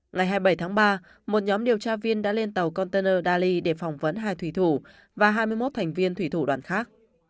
ngày hai mươi bảy tháng ba một nhóm điều tra viên đã lên tàu container dali để phỏng vấn hai thủy thủ và hai mươi một thành viên thủy thủ đoàn khác